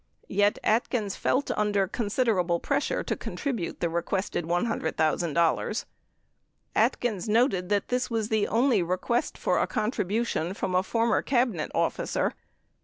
Yet, Atkins felt under considerable pressure to contribute the requested $100,000. Atkins noted that this was the only request for a contribution from a former Cabinet officer.